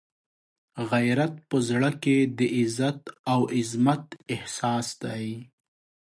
غیرت په زړه کې د عزت او عزمت احساس دی.